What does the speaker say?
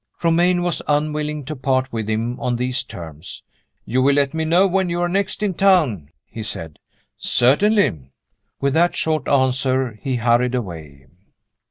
Romayne was unwilling to part with him on these terms. "You will let me know when you are next in town?" he said. "Certainly!" With that short answer he hurried away.